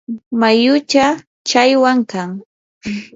mayuchaw challwam kan.